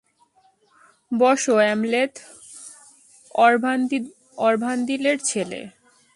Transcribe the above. বসো, অ্যামলেথ- অরভান্দিলের ছেলে।